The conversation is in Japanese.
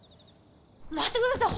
待ってください！